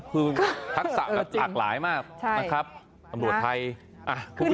คือทักษะอากหลายมากใช่นะครับตำรวจไทยอ่ะคุณผู้ชม